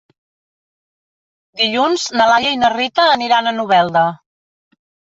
Dilluns na Laia i na Rita aniran a Novelda.